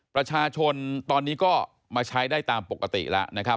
ประชาชนตอนนี้ก็มาใช้ได้ตามปกติแล้วนะครับ